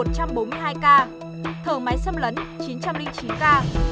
thở máy xâm lấn chín trăm linh chín ca